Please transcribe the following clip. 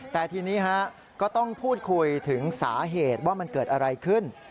แต่ทีนี้ก็ต้องพูดคุยถึงสาเหตุว่ามันเกิดอะไรขึ้น